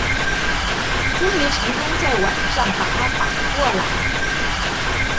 終於成功在晚上把他綁過來